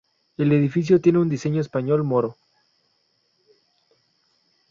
El edificio tiene un diseño español-moro.